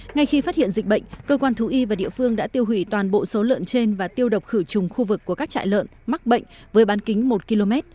ngay khi phát hiện dịch bệnh cơ quan thú y và địa phương đã tiêu hủy toàn bộ số lợn trên và tiêu độc khử trùng khu vực của các trại lợn mắc bệnh với bán kính một km